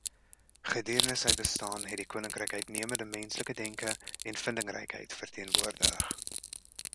Gedurende sy bestaan het die koninkryk uitnemende menslike denke en vindingrykheid verteenwoordig.